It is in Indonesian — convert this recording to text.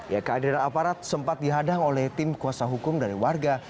ya kehadiran aparat sempat dihadang oleh tim kuasa hukum dari warga